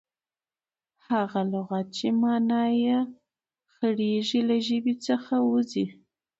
هغه لغت، چي مانا ئې خړېږي، له ژبي څخه وځي.